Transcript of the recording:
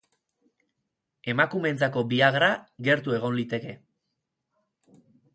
Emakumeentzako viagra gertu egon liteke.